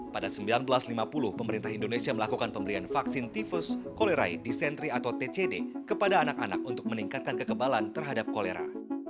pada seribu sembilan ratus lima puluh pemerintah indonesia melakukan pemberian vaksin tifus kolerai dicentri atau tcd kepada anak anak untuk meningkatkan kekebalan terhadap kolera